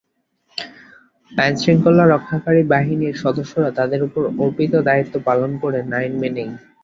আইনশৃঙ্খলা রক্ষাকারী বাহিনীর সদস্যরা তাঁদের ওপর অর্পিত দায়িত্ব পালন করেন আইন মেনেই।